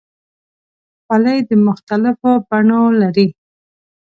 خولۍ د مختلفو بڼو لري.